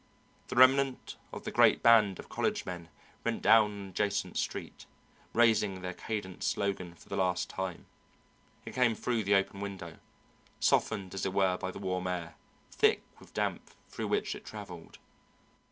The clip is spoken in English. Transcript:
The remnant of the great band of college men went down an adjacent street, raising their cadenced slogan for the last time. It came through the open window, softened as it were by the warm air, thick with damp, through which it travelled: "Rah, rah, rah!